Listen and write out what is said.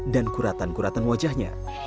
dan kuratan kuratan wajahnya